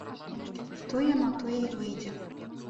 Тое на тое й выйдзе.